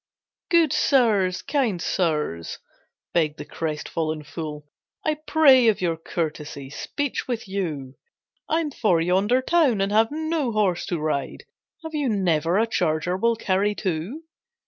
"Good Sirs, Kind Sirs," begged the crestfallen fool, "I pray of your courtesy speech with you, I'm for yonder town, and have no horse to ride, Have you never a charger will carry two?"